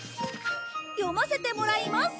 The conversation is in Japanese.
読ませてもらいます！